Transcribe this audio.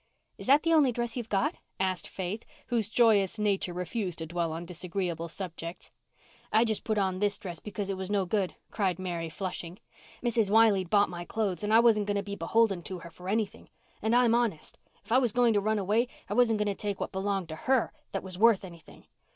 "Is that the only dress you've got?" asked Faith, whose joyous nature refused to dwell on disagreeable subjects. "I just put on this dress because it was no good," cried Mary flushing. "Mrs. Wiley'd bought my clothes and I wasn't going to be beholden to her for anything. And I'm honest. If I was going to run away I wasn't going to take what belong to her that was worth anything.